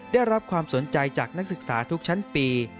ได้รับความสนใจจากนักศึกษาทุกชั้นปี